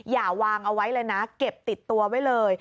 อย่าวางเอาไว้เลยนะเก็บติดตัวไว้เลย